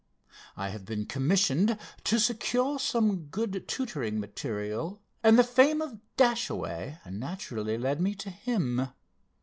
I have been commissioned to secure some good tutoring material, and the fame of Dashaway naturally led me to him.